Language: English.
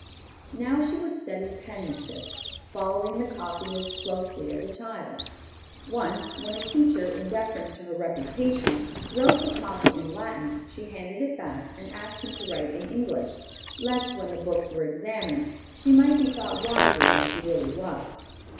Now she would study penmanship, following the copy as closely as a child. Once when a teacher, in deference to her reputation, wrote the copy in Latin, she handed it back and asked him to write in English, lest when the books were examined, she might be thought wiser than she really was.